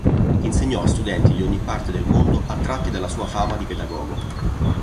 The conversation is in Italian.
Insegnò a studenti di ogni parte del mondo attratti dalla sua fama di pedagogo.